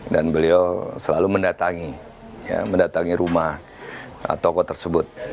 dan beliau selalu mendatangi mendatangi rumah tokoh tersebut